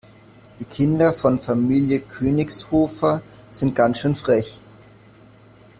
Die Kinder von Familie Königshofer sind ganz schön frech.